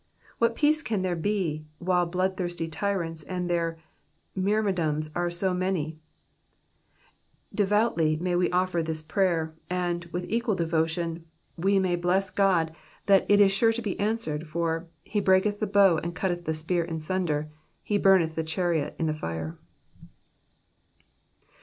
What peace can there be, while blood thirsty tyrants and their myrmidons are so many ? Devoutly may we offer this prayer, and, with equal devotion, we may bless God that it is sure to be answered, IFor '* he breaketh the bow and cuttetb the spear in sunder, he burneth the chariot in the fire."